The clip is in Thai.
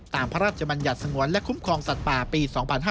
ตามพระราชมันหยัดสงวนและคุ้มคลองสัตว์ปลาปี๒๕๓๕